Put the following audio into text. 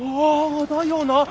あだよな。